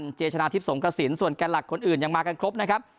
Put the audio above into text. เจชนะทิพย์สงกระสินส่วนแก่หลักคนอื่นยังมากันครบนะครับ